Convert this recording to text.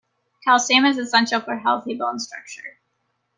Calcium is essential for healthy bone structure.